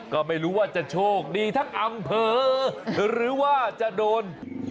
ก็ไม่รู้ว่าจะโชคดีทั้งอำเภอหรือว่าจะโดน